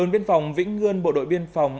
bán hàng id forum